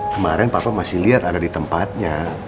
kemaren papa masih liat ada di tempatnya